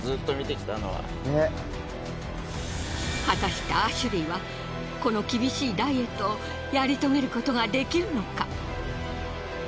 果たしてアシュリーはこの厳しいダイエットをやり遂げることができるのか？